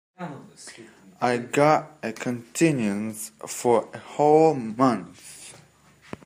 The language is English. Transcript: I got a continuance for a whole month.